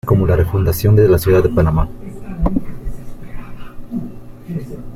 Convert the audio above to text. Esta fecha es considerada como la refundación de la ciudad de Panamá.